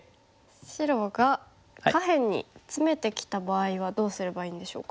白が下辺にツメてきた場合はどうすればいいんでしょうか。